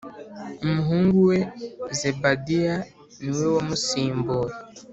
Umuhungu we Zebadiya ni we wamusimbuye